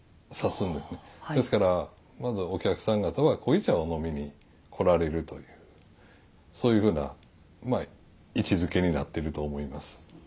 ですからまずお客さん方は濃茶を飲みに来られるというそういうふうな位置づけになってると思います。